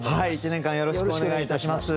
１年間よろしくお願いいたします。